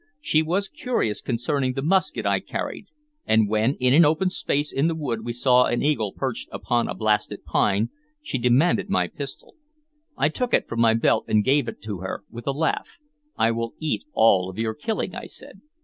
She was curious concerning the musket I carried; and when, in an open space in the wood, we saw an eagle perched upon a blasted pine, she demanded my pistol. I took it from my belt and gave it to her, with a laugh. "I will eat all of your killing," I said.